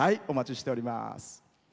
お待ちしております。